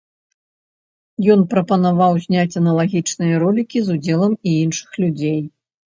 Ён прапанаваў зняць аналагічныя ролікі з удзелам і іншых людзей.